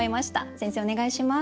先生お願いします。